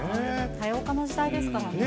多様化の時代ですからね。